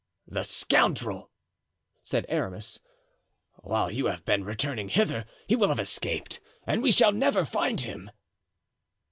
"The scoundrel!" said Aramis. "While you have been returning hither he will have escaped and we shall never find him."